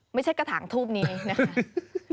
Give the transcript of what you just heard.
ไม่ใช่กระถางทูบนี้นะคะ